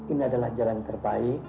ini adalah jalan terbaik